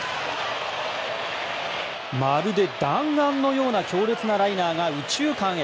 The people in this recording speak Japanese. まるで弾丸のような強烈なライナーが右中間へ。